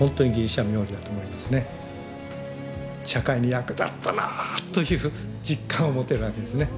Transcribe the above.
社会に役立ったなという実感を持てるわけですね。